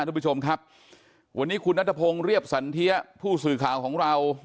ทุกผู้ชมครับวันนี้คุณนัทพงศ์เรียบสันเทียผู้สื่อข่าวของเรา